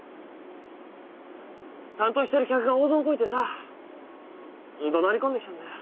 担当してる客が大損こいてさどなり込んできたんだよ。